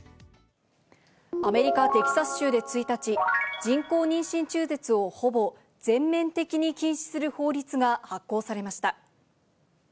アメリカ・テキサス州で１日、人工妊娠中絶をほぼ全面的に禁止する法律が発効されました。